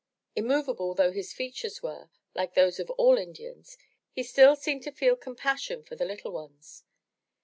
Immovable though his features were, like those of all Indians, he still seemed to feel compassion for the little ones.